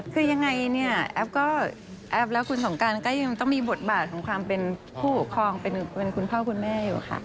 คือยังไงเนี่ยแอฟก็แอปแล้วคุณสงการก็ยังต้องมีบทบาทของความเป็นผู้ปกครองเป็นคุณพ่อคุณแม่อยู่ค่ะ